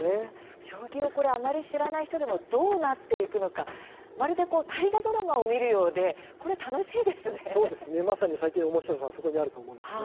将棋をあまり知らない人でもどうなっていくのか、まるで大河ドラマを見ているようでそうです、まさにおもしろさはそこにあると思います。